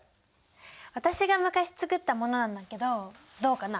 私が昔作ったものなんだけどどうかな？